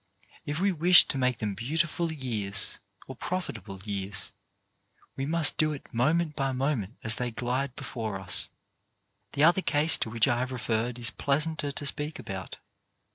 If we wish to make them beautiful years or profit able years, we must do it moment by moment as they glide before us. The other case to which I have referred is pleasanter to speak about.